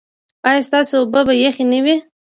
ایا ستاسو اوبه به یخې نه وي؟